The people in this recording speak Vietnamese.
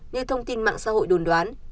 như thông tin mạng xã hội đồn đoán